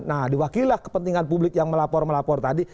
nah diwakililah kepentingan publik yang melapor melapor tadi